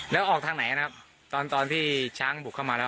แล้วออกทางไหนนะครับตอนตอนที่ช้างบุกเข้ามาแล้ว